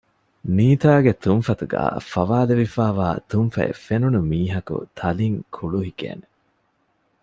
ނީތާގެ ތުންފަތުގައި ފަވާލެވިފައިވާ ތުންފަތް ފެނުނު މީހަކު ތަލިން ކުޅުހިކޭނެ